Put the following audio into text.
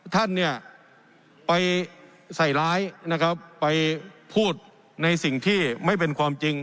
ท่านเนี่ยไปใส่ร้ายนะครับไปพูดในสิ่งที่ไม่เป็นความจริง